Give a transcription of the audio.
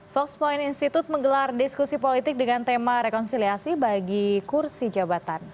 fox point institute menggelar diskusi politik dengan tema rekonsiliasi bagi kursi jabatan